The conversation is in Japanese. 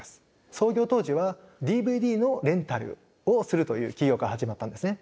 創業当時はＤＶＤのレンタルをするという企業から始まったんですね。